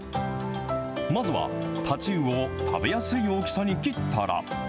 まずは太刀魚を食べやすい大きさに切ったら。